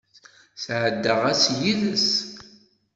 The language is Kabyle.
Sɛeddaɣ ass yid-s.